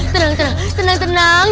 tenang tenang tenang